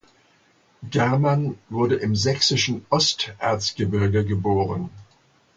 Germann wurde im sächsischen Osterzgebirge geboren.